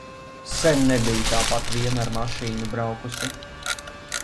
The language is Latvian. Sen nebiju tāpat vien ar mašīnu braukusi.